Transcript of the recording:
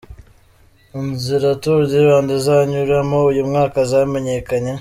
Inzira Tour du Rwanda izanyuramo uyu mwaka zamenyekanye.